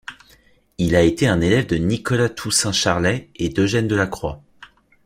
Il a été un élève de Nicolas-Toussaint Charlet et d'Eugène Delacroix.